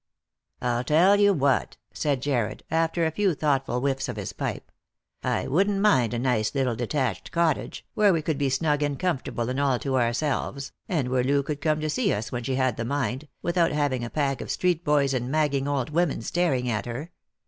" I'll tell you what," said Jarred, after a few thoughtful •whiffs of his pipe, " I wouldn't mind a nice little detached cottage, where we could be snug and comfortable and all to ourselves, and "where Loo could come to see us when she had the mind, without having a pack of street boys and magging old women staring at her.